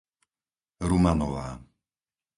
Rumanová